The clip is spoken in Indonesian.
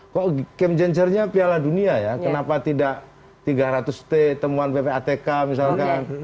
kok game changernya piala dunia ya kenapa tidak tiga ratus t temuan ppatk misalkan